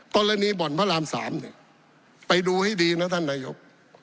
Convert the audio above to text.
ตรฐานีบ่อนพระราม๓ไปดูให้ดีนะท่านนายยก